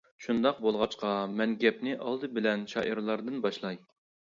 شۇنداق بولغاچقا، مەن گەپنى ئالدى بىلەن شائىرلاردىن باشلاي.